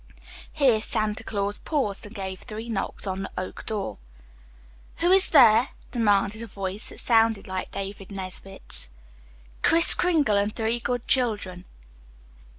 Here Santa Claus paused and gave three knocks on the oak door. "Who is there?" demanded a voice, that sounded like David Nesbit's. "Kris Kringle and three good children."